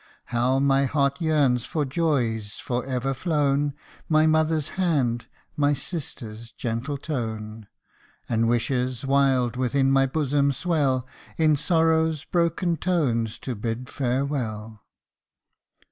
How my heart yearns for joys for ever flown My mother's hand my sister's gentle tone ! And wishes wild within my bosom swell, In sorrow 1 s broken tones to bid farewell